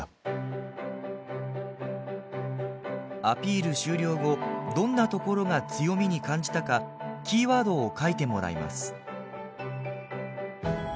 アピール終了後どんなところが強みに感じたかキーワードを書いてもらいます。